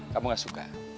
kamu gak suka